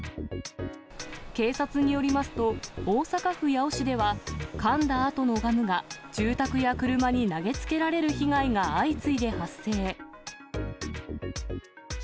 警察によりますと、大阪府八尾市では、かんだあとのガムが、住宅や車に投げつけられる被害が相次いで発生。